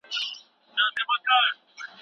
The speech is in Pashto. هر ډول څېړنه خپل اهمیت لري.